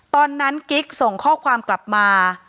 ตอนนั้นกิ๊กส่งข้อความกลับมา